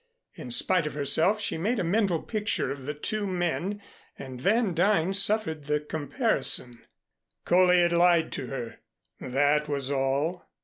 In spite of herself she made a mental picture of the two men, and Van Duyn suffered in the comparison. Coley had lied to her. That was all.